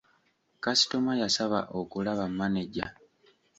Kasitoma yasaba okulaba manejja.